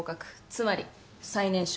つまり最年少。